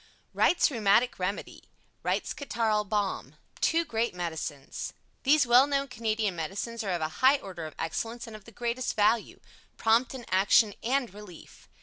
Wright's Rheumatic Remedy Wright's Catarrhal Balm Two Great Medicines These well known Canadian Medicines are of a high order of excellence and of the greatest value. Prompt in action and relief.